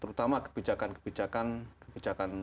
terutama kebijakan kebijakan yang diperlindungi oleh konsumen